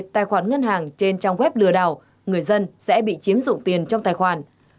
tài khoản ngân hàng trên trang web lừa đảo người dân sẽ bị chiếm dụng tiền trong tài khoản